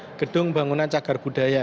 ini adalah gedung bangunan cagar budaya